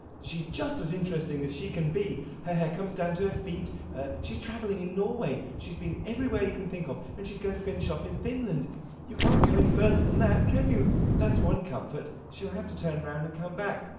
She is just as interesting as she can be. Her hair comes down to her feet. She 's travelling in Norway. She has been everywhere you can think of, and she 's going to finish off with Finland. You can't go any further than that, can you? That 's one comfort; she will have to turn round and come back.